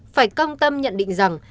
phải công tâm nhận định rằng